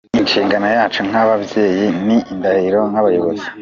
Ni inshingano yacu nk’ababyeyi, ni indahiro nk’abayobozi.